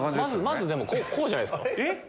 まずこうじゃないですか？